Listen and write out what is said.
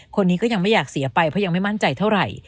คนนี้ก็ยังไม่อยากเสียไปเพราะยังไม่มั่นใจเท่าไหร่